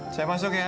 saya masuk ya